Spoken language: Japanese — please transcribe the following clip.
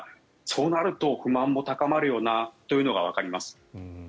そうなると、不満も高まるよなというのはわかります。